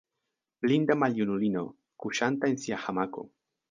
Blinda maljunulino, kuŝanta en sia hamako.